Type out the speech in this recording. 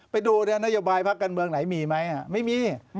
ไปดูนโยบายพักการเมืองไหนมีไหมไม่มี